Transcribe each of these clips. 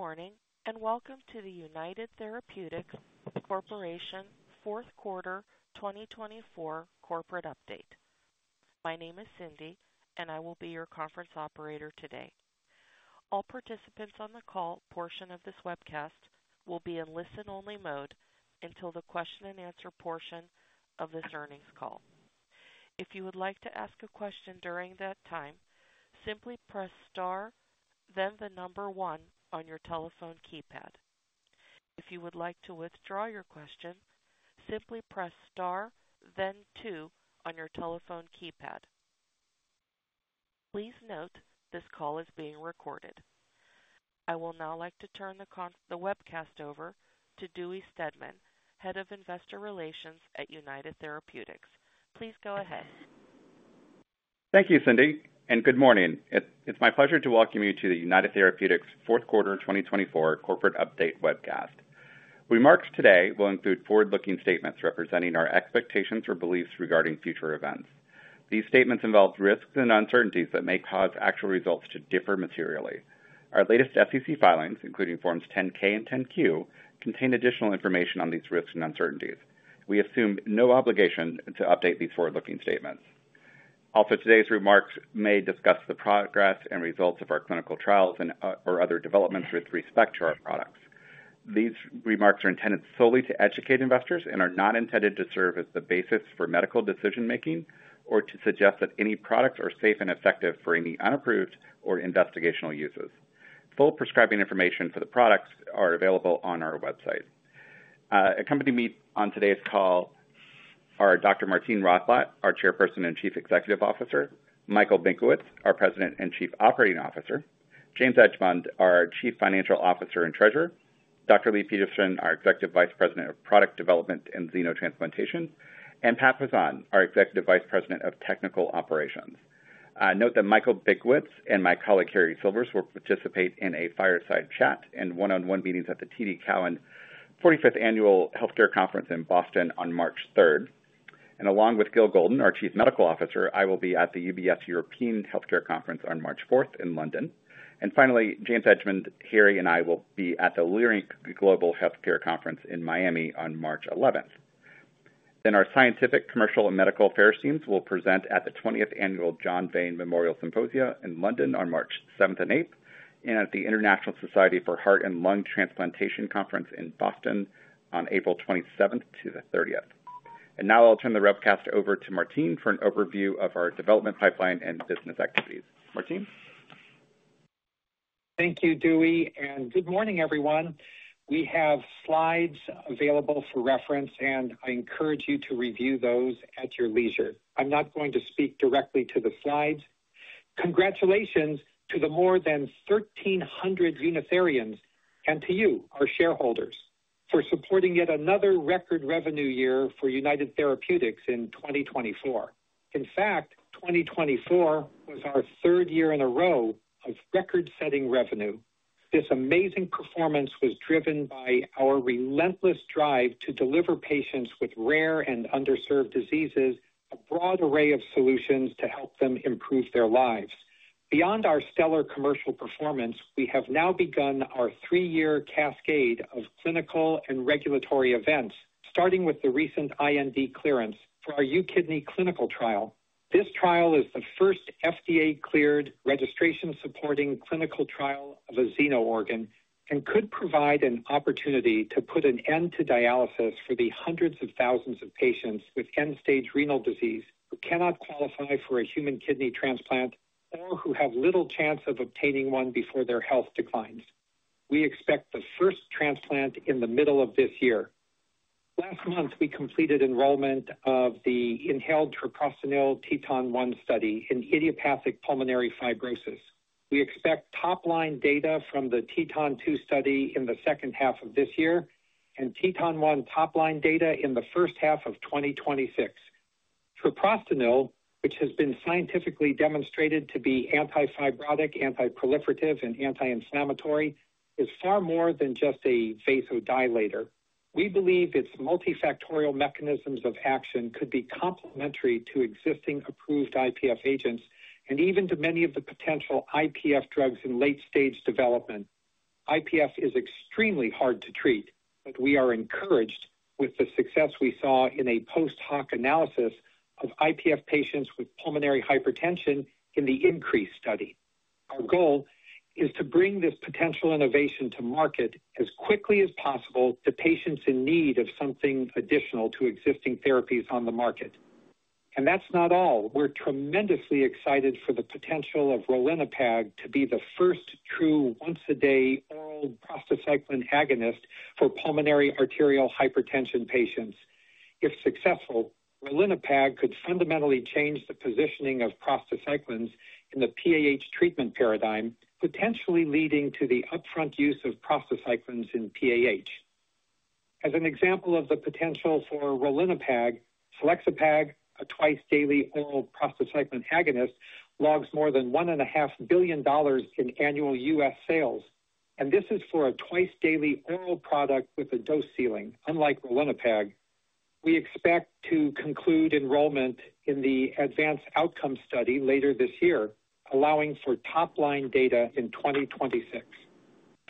Good morning and welcome to the United Therapeutics Corporation Fourth Quarter 2024 corporate update. My name is Cindy, and I will be your conference operator today. All participants on the call portion of this webcast will be in listen-only mode until the question-and-answer portion of this earnings call. If you would like to ask a question during that time, simply press star, then the number one on your telephone keypad. If you would like to withdraw your question, simply press star, then two on your telephone keypad. Please note this call is being recorded. I will now like to turn the webcast over to Dewey Steadman, Head of Investor Relations at United Therapeutics. Please go ahead. Thank you, Cindy, and good morning. It's my pleasure to welcome you to the United Therapeutics Fourth Quarter 2024 corporate update webcast. Our remarks today will include forward-looking statements representing our expectations or beliefs regarding future events. These statements involve risks and uncertainties that may cause actual results to differ materially. Our latest SEC filings, including Forms 10-K and 10-Q, contain additional information on these risks and uncertainties. We assume no obligation to update these forward-looking statements. Also, today's remarks may discuss the progress and results of our clinical trials or other developments with respect to our products. These remarks are intended solely to educate investors and are not intended to serve as the basis for medical decision-making or to suggest that any products are safe and effective for any unapproved or investigational uses. Full prescribing information for the products is available on our website. Accompanying me on today's call are Dr. Martine Rothblatt, our Chairperson and Chief Executive Officer, Michael Benkowitz, our President and Chief Operating Officer, James Edgemond, our Chief Financial Officer and Treasurer, Dr. Leigh Peterson, our Executive Vice President of Product Development and Xenotransplantation, and Pat Pozzan, our Executive Vice President of Technical Operations. Note that Michael Benkowitz and my colleague, Harry Sylvers, will participate in a fireside chat and one-on-one meetings at the TD Cowen 45th Annual Healthcare Conference in Boston on March 3rd, and along with Gil Golden, our Chief Medical Officer, I will be at the UBS European Healthcare Conference on March 4th in London, and finally, James Edgemond, Harry, and I will be at the Leerink Global Healthcare Conference in Miami on March 11th. Then our scientific, commercial, and medical affairs teams will present at the 20th Annual John Vane Memorial Symposium in London on March 7th and 8th, and at the International Society for Heart and Lung Transplantation Conference in Boston on April 27th to the 30th. And now I'll turn the webcast over to Martine for an overview of our development pipeline and business activities. Martine? Thank you, Dewey, and good morning, everyone. We have slides available for reference, and I encourage you to review those at your leisure. I'm not going to speak directly to the slides. Congratulations to the more than 1,300 Unitherians and to you, our shareholders, for supporting yet another record revenue year for United Therapeutics in 2024. In fact, 2024 was our third year in a row of record-setting revenue. This amazing performance was driven by our relentless drive to deliver patients with rare and underserved diseases a broad array of solutions to help them improve their lives. Beyond our stellar commercial performance, we have now begun our three-year cascade of clinical and regulatory events, starting with the recent IND clearance for our UKidney clinical trial. This trial is the first FDA cleared registration-supporting clinical trial of a xeno organ and could provide an opportunity to put an end to dialysis for the hundreds of thousands of patients with end-stage renal disease who cannot qualify for a human kidney transplant or who have little chance of obtaining one before their health declines. We expect the first transplant in the middle of this year. Last month, we completed enrollment of the inhaled treprostinil TETON 1 study in idiopathic pulmonary fibrosis. We expect top-line data from the TETON 2 study in the second half of this year and TETON 1 top-line data in the first half of 2026. Treprostinil, which has been scientifically demonstrated to be anti-fibrotic, anti-proliferative, and anti-inflammatory, is far more than just a vasodilator. We believe its multifactorial mechanisms of action could be complementary to existing approved IPF agents and even to many of the potential IPF drugs in late-stage development. IPF is extremely hard to treat, but we are encouraged with the success we saw in a post-hoc analysis of IPF patients with pulmonary hypertension in the INCREASE study. Our goal is to bring this potential innovation to market as quickly as possible to patients in need of something additional to existing therapies on the market. And that's not all. We're tremendously excited for the potential of ralinepag to be the first true once-a-day oral prostacyclin agonist for pulmonary arterial hypertension patients. If successful, ralinepag could fundamentally change the positioning of prostacyclins in the PAH treatment paradigm, potentially leading to the upfront use of prostacyclins in PAH. As an example of the potential for ralinepag, selexapag, a twice-daily oral prostacyclin agonist, logs more than $1.5 billion in annual U.S. sales, and this is for a twice-daily oral product with a dose ceiling, unlike ralinepag. We expect to conclude enrollment in the ADVANCE OUTCOMES study later this year, allowing for top-line data in 2026.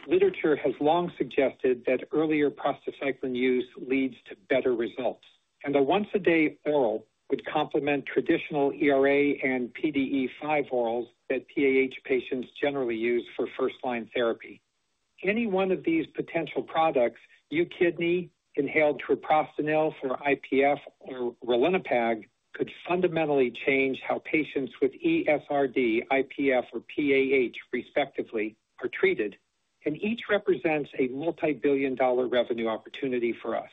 Literature has long suggested that earlier prostacyclin use leads to better results, and a once-a-day oral would complement traditional ERA and PDE-5 orals that PAH patients generally use for first-line therapy. Any one of these potential products, UKidney, inhaled treprostinil for IPF, or ralinepag, could fundamentally change how patients with ESRD, IPF, or PAH, respectively, are treated, and each represents a multi-billion dollar revenue opportunity for us.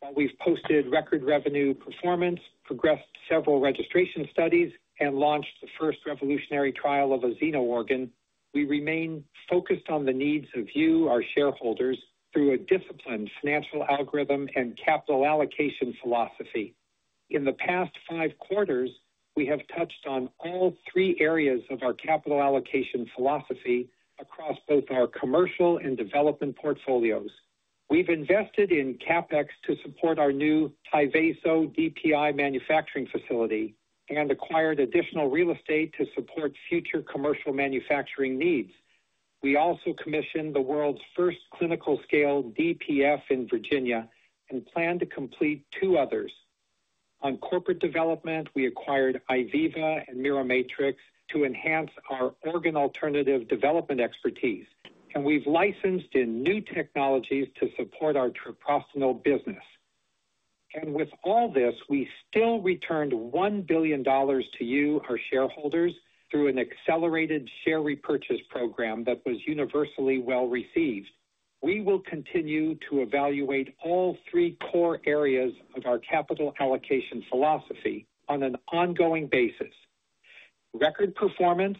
While we've posted record revenue performance, progressed several registration studies, and launched the first revolutionary trial of a xeno organ, we remain focused on the needs of you, our shareholders, through a disciplined financial algorithm and capital allocation philosophy. In the past five quarters, we have touched on all three areas of our capital allocation philosophy across both our commercial and development portfolios. We've invested in CapEx to support our new Tyvaso DPI manufacturing facility and acquired additional real estate to support future commercial manufacturing needs. We also commissioned the world's first clinical-scale DPF in Virginia and plan to complete two others. On corporate development, we acquired IVIVA and Miromatrix to enhance our organ alternative development expertise, and we've licensed in new technologies to support our treprostinil business. And with all this, we still returned $1 billion to you, our shareholders, through an accelerated share repurchase program that was universally well received. We will continue to evaluate all three core areas of our capital allocation philosophy on an ongoing basis: record performance,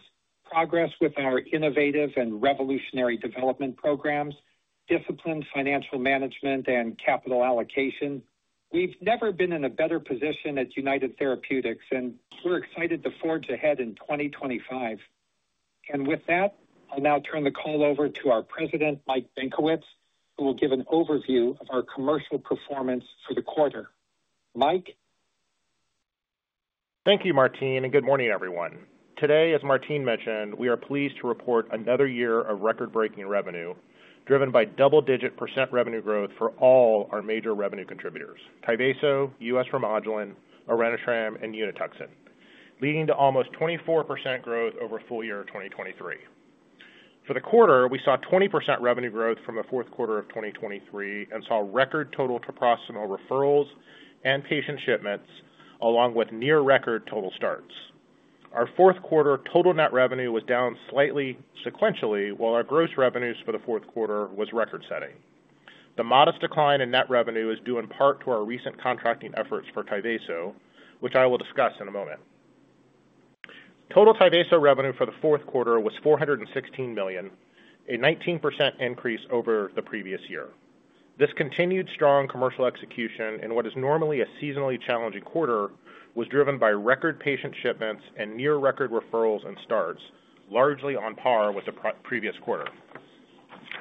progress with our innovative and revolutionary development programs, disciplined financial management, and capital allocation. We've never been in a better position at United Therapeutics, and we're excited to forge ahead in 2025. And with that, I'll now turn the call over to our President, Mike Benkowitz, who will give an overview of our commercial performance for the quarter. Mike. Thank you, Martine, and good morning, everyone. Today, as Martine mentioned, we are pleased to report another year of record-breaking revenue driven by double-digit percentage revenue growth for all our major revenue contributors: Tyvaso, Remodulin, Orenitram, and Unituxin, leading to almost 24% growth over full year 2023. For the quarter, we saw 20% revenue growth from the fourth quarter of 2023 and saw record total treprostinil referrals and patient shipments, along with near-record total starts. Our fourth quarter total net revenue was down slightly sequentially, while our gross revenues for the fourth quarter were record-setting. The modest decline in net revenue is due in part to our recent contracting efforts for Tyvaso, which I will discuss in a moment. Total Tyvaso revenue for the fourth quarter was $416 million, a 19% increase over the previous year. This continued strong commercial execution in what is normally a seasonally challenging quarter was driven by record patient shipments and near-record referrals and starts, largely on par with the previous quarter.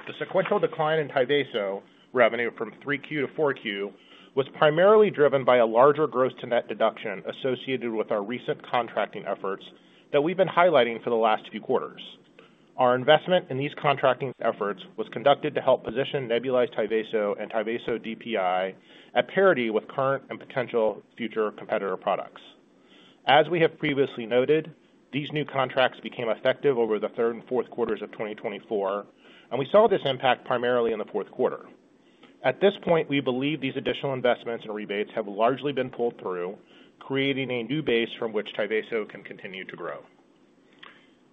The sequential decline in Tyvaso revenue from 3Q to 4Q was primarily driven by a larger gross-to-net deduction associated with our recent contracting efforts that we've been highlighting for the last few quarters. Our investment in these contracting efforts was conducted to help position nebulized Tyvaso and Tyvaso DPI at parity with current and potential future competitor products. As we have previously noted, these new contracts became effective over the third and fourth quarters of 2024, and we saw this impact primarily in the fourth quarter. At this point, we believe these additional investments and rebates have largely been pulled through, creating a new base from which Tyvaso can continue to grow.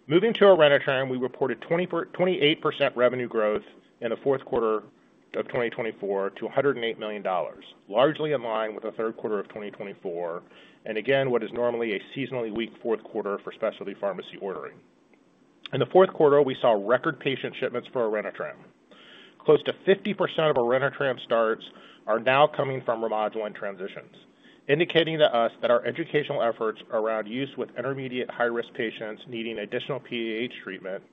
Moving to Orenitram, we reported 28% revenue growth in the fourth quarter of 2024 to $108 million, largely in line with the third quarter of 2024, and again, what is normally a seasonally weak fourth quarter for specialty pharmacy ordering. In the fourth quarter, we saw record patient shipments for Orenitram. Close to 50% of Orenitram starts are now coming from Remodulin and transitions, indicating to us that our educational efforts around use with intermediate high-risk patients needing additional PAH treatment,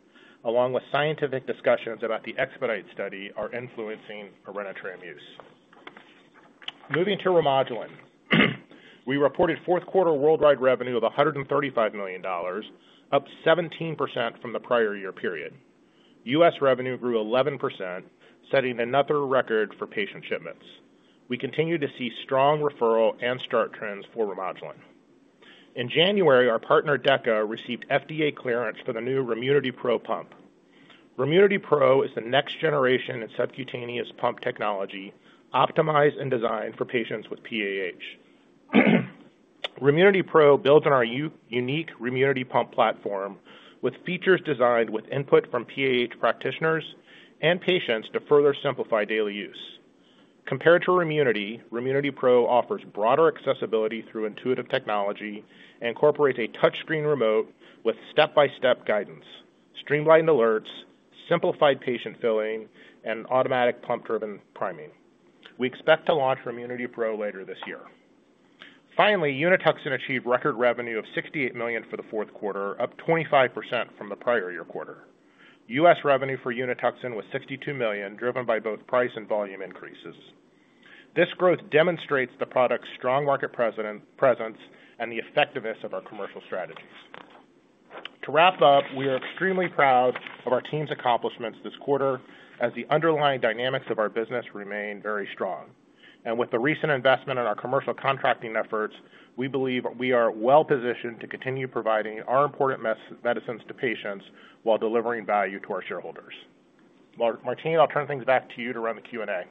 along with scientific discussions about the EXPEDITE study, are influencing Orenitram use. Moving to Remodulin, we reported fourth quarter worldwide revenue of $135 million, up 17% from the prior year period. U.S. revenue grew 11%, setting another record for patient shipments. We continue to see strong referral and start trends for Remodulin. In January, our partner DEKA received FDA clearance for the new RemunityPRO pump. RemunityPRO is the next generation in subcutaneous pump technology optimized and designed for patients with PAH. RemunityPRO builds on our unique Remunity pump platform with features designed with input from PAH practitioners and patients to further simplify daily use. Compared to Remunity, RemunityPRO offers broader accessibility through intuitive technology and incorporates a touchscreen remote with step-by-step guidance, streamlined alerts, simplified patient filling, and automatic pump turbine priming. We expect to launch RemunityPRO later this year. Finally, Unituxin achieved record revenue of $68 million for the fourth quarter, up 25% from the prior year quarter. U.S. revenue for Unituxin was $62 million, driven by both price and volume increases. This growth demonstrates the product's strong market presence and the effectiveness of our commercial strategies. To wrap up, we are extremely proud of our team's accomplishments this quarter as the underlying dynamics of our business remain very strong. With the recent investment in our commercial contracting efforts, we believe we are well positioned to continue providing our important medicines to patients while delivering value to our shareholders. Martine, I'll turn things back to you to run the Q&A.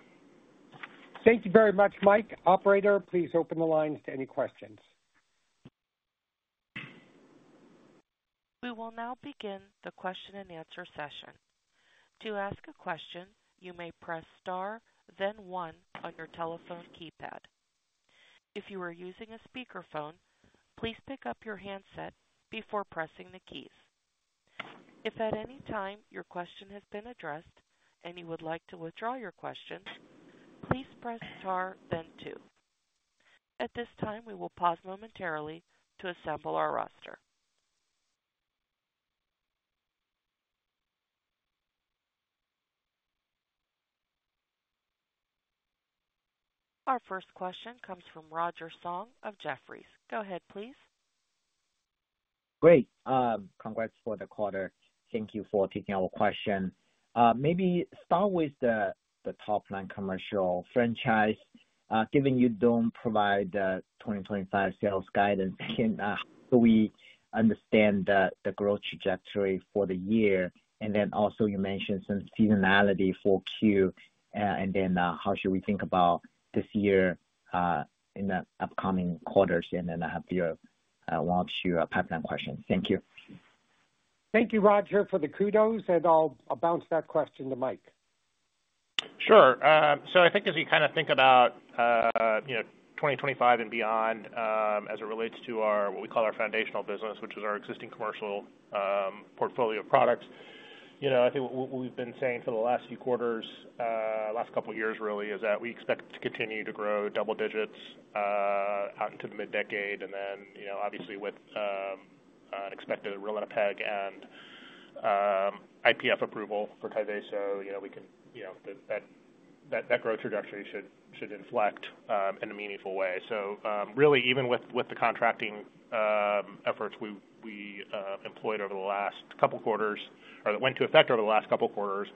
Thank you very much, Mike. Operator, please open the lines to any questions. We will now begin the question-and-answer session. To ask a question, you may press star, then one on your telephone keypad. If you are using a speakerphone, please pick up your handset before pressing the keys. If at any time your question has been addressed and you would like to withdraw your question, please press star, then two. At this time, we will pause momentarily to assemble our roster. Our first question comes from Roger Song of Jefferies. Go ahead, please. Great. Congrats for the quarter. Thank you for taking our question. Maybe start with the top-line commercial franchise, given you don't provide the 2025 sales guidance in. So we understand the growth trajectory for the year. And then also you mentioned some seasonality for Q, and then how should we think about this year in the upcoming quarters? And then I have your one or two pipeline questions. Thank you. Thank you, Roger, for the kudos, and I'll bounce that question to Mike. Sure. So I think as we kind of think about 2025 and beyond as it relates to what we call our foundational business, which is our existing commercial portfolio of products, I think what we've been saying for the last few quarters, last couple of years, really, is that we expect to continue to grow double digits out into the mid-decade. Then obviously with an expected ralinepag and IPF approval for Tyvaso, we can, that growth trajectory should inflect in a meaningful way. Really, even with the contracting efforts we employed over the last couple of quarters or that went to effect over the last couple of quarters,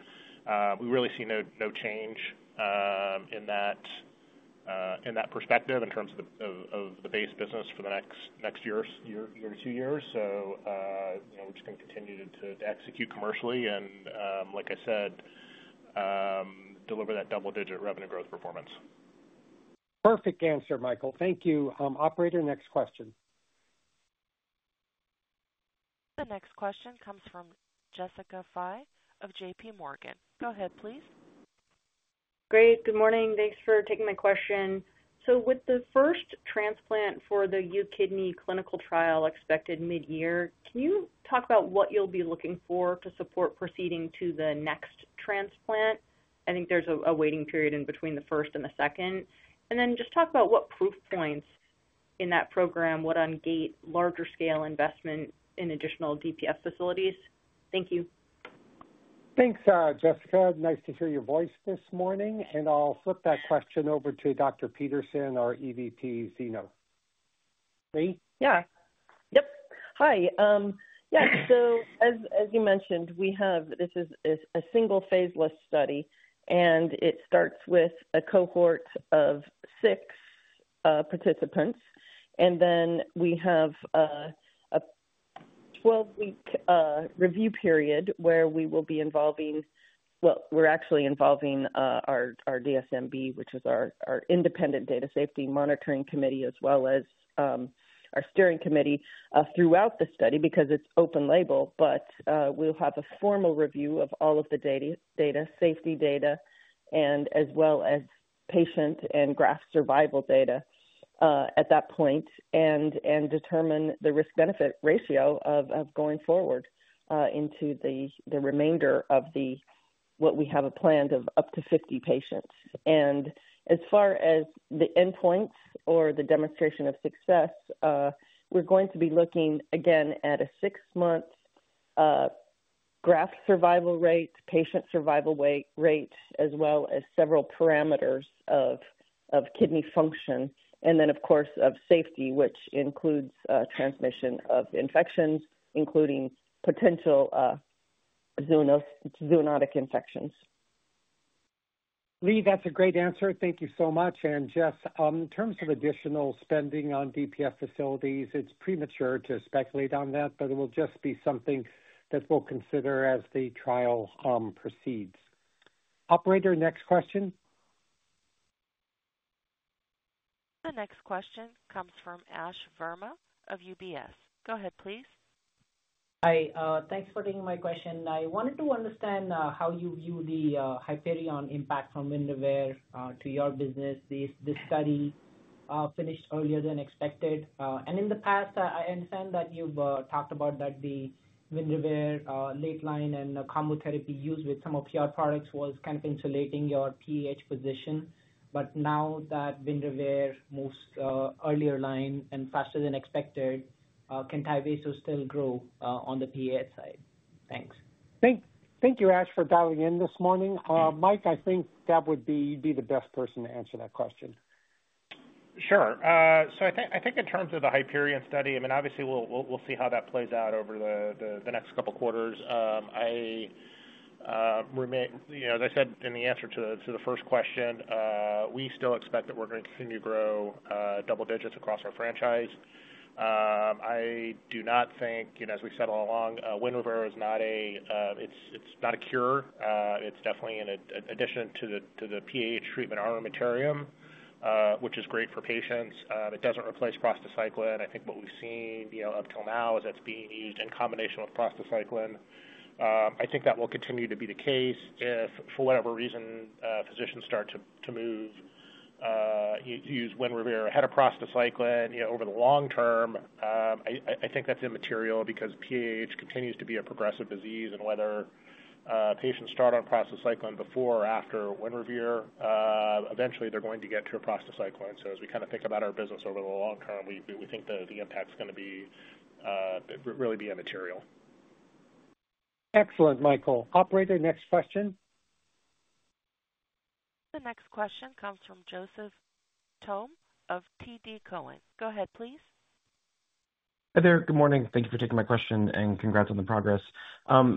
we really see no change in that perspective in terms of the base business for the next year or two years. We're just going to continue to execute commercially and, like I said, deliver that double-digit revenue growth performance. Perfect answer, Michael. Thank you. Operator, next question. The next question comes from Jessica Fye of JPMorgan. Go ahead, please. Great. Good morning. Thanks for taking my question. So with the first transplant for the UKidney clinical trial expected mid-year, can you talk about what you'll be looking for to support proceeding to the next transplant? I think there's a waiting period in between the first and the second. And then just talk about what proof points in that program would ungate larger-scale investment in additional DPF facilities. Thank you. Thanks, Jessica. Nice to hear your voice this morning, and I'll flip that question over to Dr. Peterson, our EVP xeno. Right? Yeah. Yep. Hi. Yeah. So as you mentioned, this is a single phase I study, and it starts with a cohort of six participants. And then we have a 12-week review period where we will be involving. Well, we're actually involving our DSMB, which is our Independent Data Safety Monitoring Committee, as well as our steering committee throughout the study because it's open label. But we'll have a formal review of all of the data, safety data, and as well as patient and graft survival data at that point, and determine the risk-benefit ratio of going forward into the remainder of what we have planned of up to 50 patients. As far as the endpoint or the demonstration of success, we're going to be looking again at a six-month graft survival rate, patient survival rate, as well as several parameters of kidney function, and then, of course, of safety, which includes transmission of infections, including potential zoonotic infections. Leigh, that's a great answer. Thank you so much, and Jess, in terms of additional spending on DPF facilities, it's premature to speculate on that, but it will just be something that we'll consider as the trial proceeds. Operator, next question. The next question comes from Ash Verma of UBS. Go ahead, please. Hi. Thanks for taking my question. I wanted to understand how you view the HYPERION impact from Winrevair to your business. This study finished earlier than expected. And in the past, I understand that you've talked about that the Winrevair late line and combo therapy used with some of your products was kind of insulating your PAH position. But now that Winrevair moves earlier line and faster than expected, can Tyvaso still grow on the PAH side? Thanks. Thank you, Ash, for dialing in this morning. Mike, I think that would be the best person to answer that question. Sure. So I think in terms of the Hyperion study, I mean, obviously, we'll see how that plays out over the next couple of quarters. As I said in the answer to the first question, we still expect that we're going to continue to grow double digits across our franchise. I do not think, as we said all along, Winrevair is not a—it's not a cure. It's definitely an addition to the PAH treatment armamentarium, which is great for patients. It doesn't replace prostacyclin. I think what we've seen up till now is that it's being used in combination with prostacyclin. I think that will continue to be the case if, for whatever reason, physicians start to use Winrevair ahead of prostacyclin over the long term. I think that's immaterial because PAH continues to be a progressive disease, and whether patients start on prostacyclin before or after Winrevair, eventually, they're going to get to a prostacyclin. So as we kind of think about our business over the long term, we think the impact's going to really be immaterial. Excellent, Michael. Operator, next question. The next question comes from Joseph Thome of TD Cowen. Go ahead, please. Hi there. Good morning. Thank you for taking my question and congrats on the progress.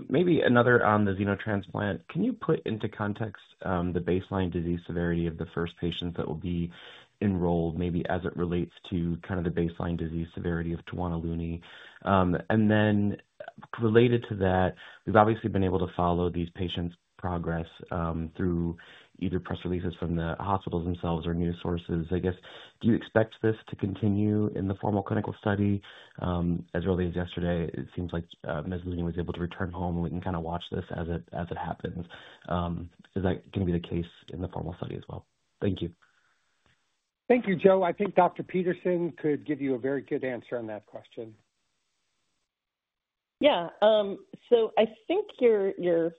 Maybe another on the xenotransplant. Can you put into context the baseline disease severity of the first patients that will be enrolled, maybe as it relates to kind of the baseline disease severity of the UKidney? And then related to that, we've obviously been able to follow these patients' progress through either press releases from the hospitals themselves or news sources. I guess, do you expect this to continue in the formal clinical study? As early as yesterday, it seems like Ms. Luny was able to return home, and we can kind of watch this as it happens. Is that going to be the case in the formal study as well? Thank you. Thank you, Joe. I think Dr. Peterson could give you a very good answer on that question. Yeah. So I think your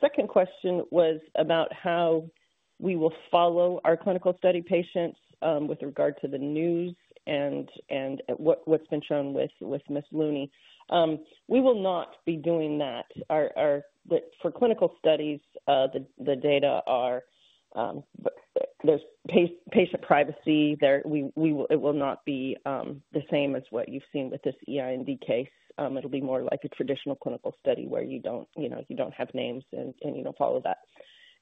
second question was about how we will follow our clinical study patients with regard to the news and what's been shown with Ms. Luny. We will not be doing that. For clinical studies, the data are, there's patient privacy. It will not be the same as what you've seen with this EIND case. It'll be more like a traditional clinical study where you don't have names and you don't follow that.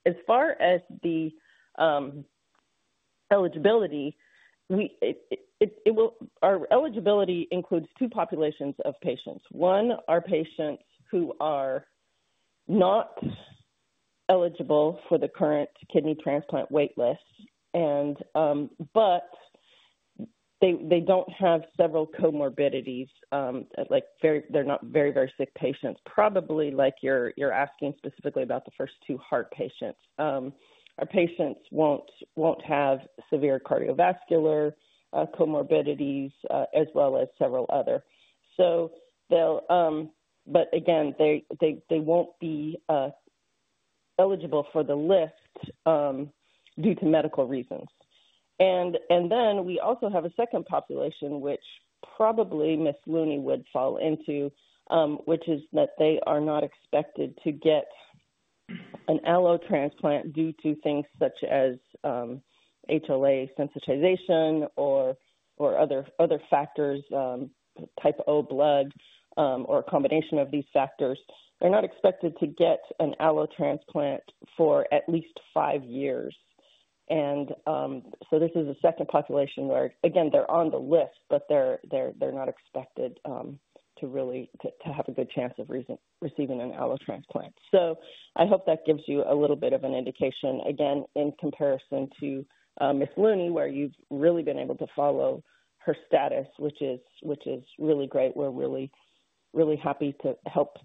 As far as the eligibility, our eligibility includes two populations of patients. One are patients who are not eligible for the current kidney transplant waitlist, but they don't have several comorbidities. They're not very, very sick patients. Probably like you're asking specifically about the first two heart patients. Our patients won't have severe cardiovascular comorbidities as well as several other. But again, they won't be eligible for the list due to medical reasons. And then we also have a second population, which probably Ms. Luny would fall into, which is that they are not expected to get an allotransplant due to things such as HLA sensitization or other factors, type O blood, or a combination of these factors. They're not expected to get an allotransplant for at least five years. And so this is a second population where, again, they're on the list, but they're not expected to have a good chance of receiving an allotransplant. So I hope that gives you a little bit of an indication, again, in comparison to Ms. Luny, where you've really been able to follow her status, which is really great. We're really, really happy to help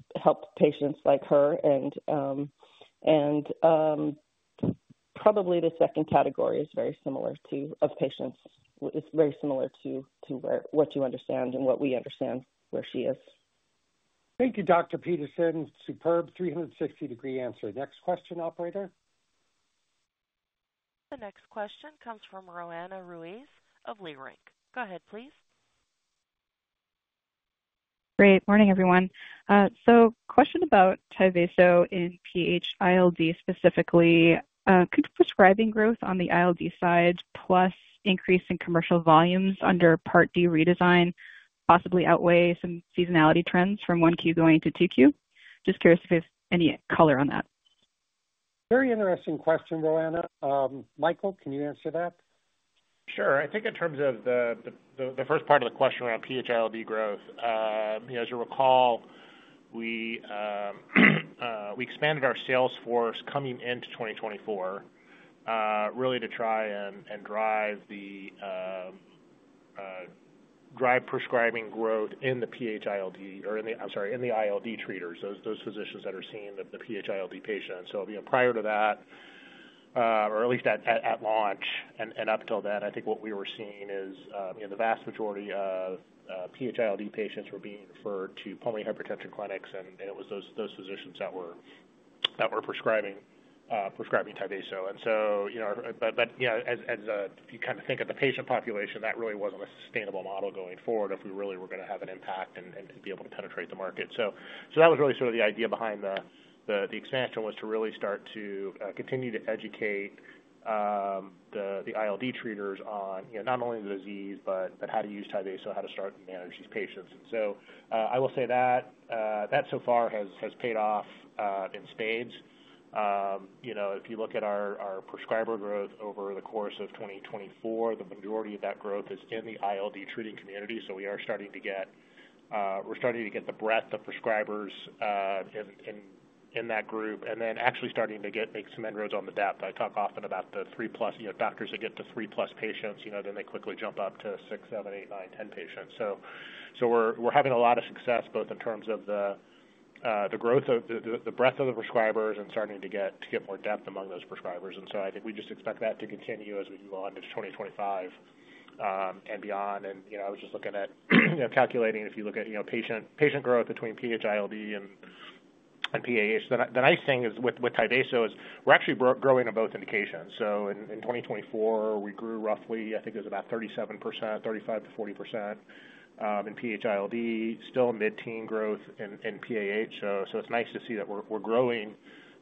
patients like her. And probably the second category of patients is very similar to what you understand and what we understand where she is. Thank you, Dr. Peterson. Superb 360-degree answer. Next question, Operator. The next question comes from Roanna Ruiz of Leerink. Go ahead, please. Good morning, everyone. So question about Tyvaso in PH-ILD specifically. Could prescribing growth on the ILD side plus increase in commercial volumes under Part D redesign possibly outweigh some seasonality trends from 1Q going to 2Q? Just curious if there's any color on that. Very interesting question, Roanna. Michael, can you answer that? Sure. I think in terms of the first part of the question around PH-ILD growth, as you recall, we expanded our sales force coming into 2024 really to try and drive prescribing growth in the PH-ILD or in the—I'm sorry, in the ILD treaters, those physicians that are seeing the PH-ILD patients. So prior to that, or at least at launch and up until then, I think what we were seeing is the vast majority of PH-ILD patients were being referred to pulmonary hypertension clinics, and it was those physicians that were prescribing Tyvaso. And so, but as you kind of think of the patient population, that really wasn't a sustainable model going forward if we really were going to have an impact and be able to penetrate the market. So that was really sort of the idea behind the expansion was to really start to continue to educate the ILD treaters on not only the disease, but how to use Tyvaso, how to start and manage these patients. And so I will say that that so far has paid off in spades. If you look at our prescriber growth over the course of 2024, the majority of that growth is in the ILD treating community. So we are starting to get the breadth of prescribers in that group and then actually starting to get some inroads on the depth. I talk often about the three-plus doctors that get to three-plus patients, then they quickly jump up to six, seven, eight, nine, 10 patients. We're having a lot of success both in terms of the growth, the breadth of the prescribers, and starting to get more depth among those prescribers. And so I think we just expect that to continue as we move on to 2025 and beyond. And I was just looking at calculating if you look at patient growth between PH-ILD and PAH. The nice thing with Tyvaso is we're actually growing on both indications. So in 2024, we grew roughly, I think it was about 37%, 35%-40% in PH-ILD, still mid-teen growth in PAH. So it's nice to see that we're growing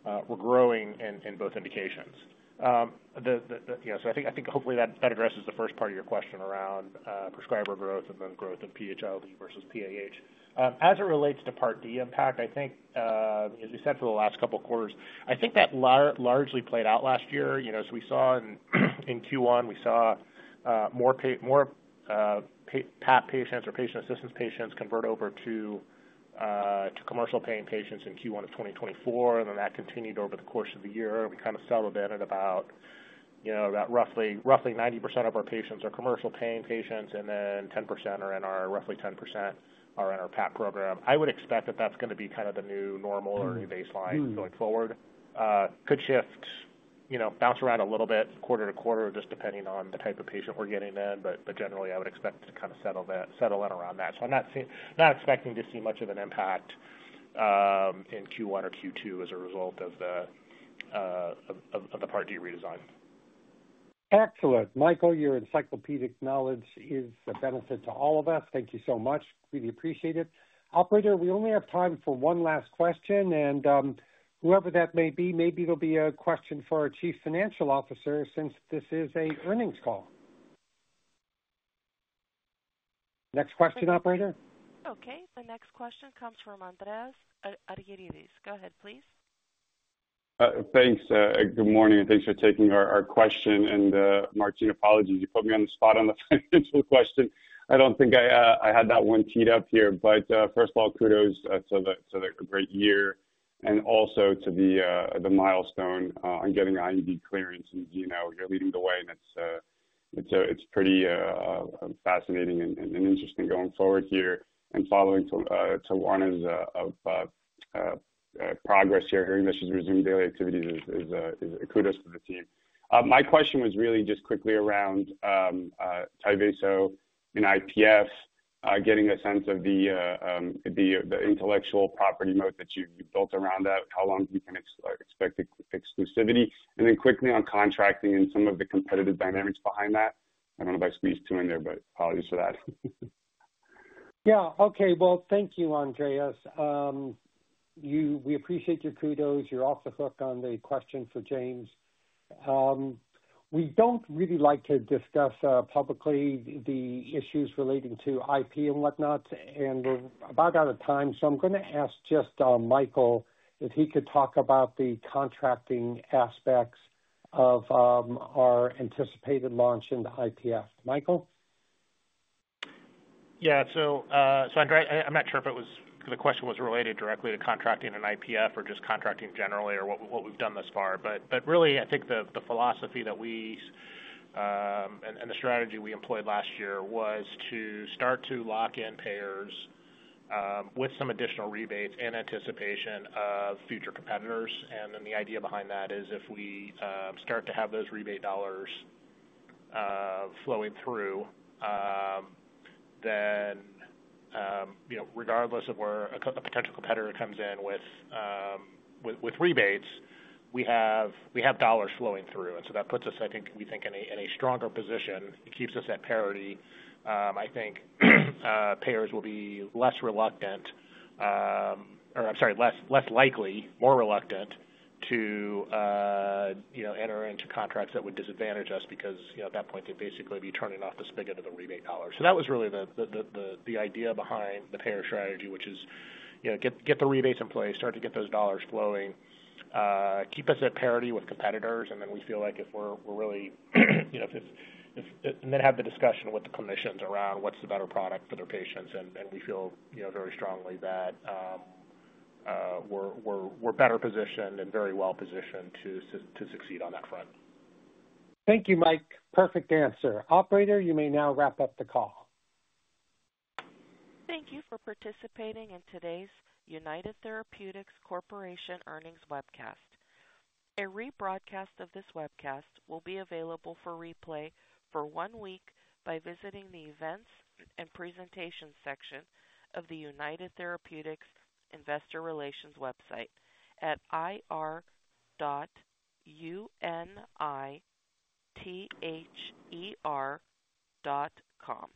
in both indications. So I think hopefully that addresses the first part of your question around prescriber growth and then growth in PH-ILD versus PAH. As it relates to Part D impact, I think, as we said for the last couple of quarters, I think that largely played out last year. As we saw in Q1, we saw more PAP patients or patient assistance patients convert over to commercial paying patients in Q1 of 2024, and then that continued over the course of the year. We kind of celebrated about roughly 90% of our patients are commercial paying patients, and then 10% are in our PAP program. I would expect that that's going to be kind of the new normal or new baseline going forward. It could shift, bounce around a little bit quarter to quarter, just depending on the type of patient we're getting in, but generally, I would expect to kind of settle in around that. So I'm not expecting to see much of an impact in Q1 or Q2 as a result of the Part D redesign. Excellent. Michael, your encyclopedic knowledge is a benefit to all of us. Thank you so much. Really appreciate it. Operator, we only have time for one last question, and whoever that may be, maybe it'll be a question for our Chief Financial Officer since this is an earnings call. Next question, Operator? Okay. The next question comes from Andreas Argyrides. Go ahead, please. Thanks. Good morning. Thanks for taking our question. And Martine, apologies. You put me on the spot on the financial question. I don't think I had that one teed up here. But first of all, kudos to the great year and also to the milestone on getting IND clearance. You're leading the way, and it's pretty fascinating and interesting going forward here and following Luny's progress here, hearing that she's resumed daily activities is a kudos to the team. My question was really just quickly around Tyvaso in IPF, getting a sense of the intellectual property moat that you've built around that, how long you can expect exclusivity, and then quickly on contracting and some of the competitive dynamics behind that. I don't know if I squeezed two in there, but apologies for that. Yeah. Okay. Well, thank you, Andreas. We appreciate your kudos. You're off the hook on the question for James. We don't really like to discuss publicly the issues relating to IP and whatnot, and we're about out of time. So I'm going to ask just Michael if he could talk about the contracting aspects of our anticipated launch in the IPF. Michael? Yeah. So Andreas, I'm not sure if the question was related directly to contracting in IPF or just contracting generally or what we've done thus far. But really, I think the philosophy that we and the strategy we employed last year was to start to lock in payers with some additional rebates in anticipation of future competitors. And then the idea behind that is if we start to have those rebate dollars flowing through, then regardless of where a potential competitor comes in with rebates, we have dollars flowing through. And so that puts us, I think, we think, in a stronger position. It keeps us at parity. I think payers will be less reluctant or, I'm sorry, less likely, more reluctant to enter into contracts that would disadvantage us because at that point, they'd basically be turning off the spigot of the rebate dollars. So that was really the idea behind the payer strategy, which is get the rebates in place, start to get those dollars flowing, keep us at parity with competitors, and then we feel like if we're really, and then have the discussion with the clinicians around what's the better product for their patients. And we feel very strongly that we're better positioned and very well positioned to succeed on that front. Thank you, Mike. Perfect answer. Operator, you may now wrap up the call. Thank you for participating in today's United Therapeutics Corporation earnings webcast. A rebroadcast of this webcast will be available for replay for one week by visiting the events and presentation section of the United Therapeutics Investor Relations website at ir.unither.com.